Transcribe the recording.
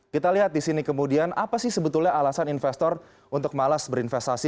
kita lihat di sini kemudian apa sih sebetulnya alasan investor untuk malas berinvestasi